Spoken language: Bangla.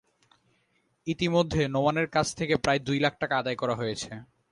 ইতিমধ্যে নোমানের কাছ থেকে প্রায় দুই লাখ টাকা আদায় করা হয়েছে।